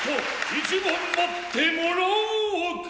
一番待ってもらおうか。